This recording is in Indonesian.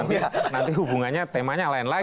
ya nanti hubungannya temanya lain lagi